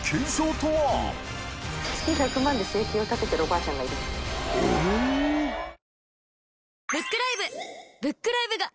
月１００万で生計を立ててるおばあちゃんがいるって仲間）